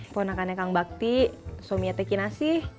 pona kan yang kang bakti suaminya teki nasih